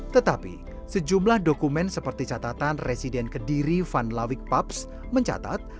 tetapi sejumlah dokumen seperti catatan residen kediri van lawik paps mencatat